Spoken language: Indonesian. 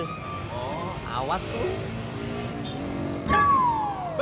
oh awas sih